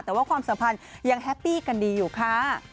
แต่ว่าความสัมพันธ์ยังแฮปปี้กันดีอยู่ค่ะ